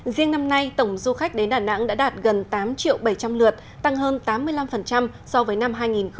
riêng năm nay tổng du khách đến đà nẵng đã đạt gần tám bảy trăm linh lượt tăng hơn tám mươi năm so với năm hai nghìn một mươi tám